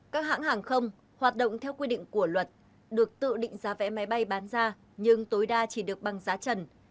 các hãng hàng không hoạt động theo quy định của luật được tự định giá vé máy bay bán ra nhưng tối đa chỉ được bằng giá trần